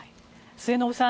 末延さん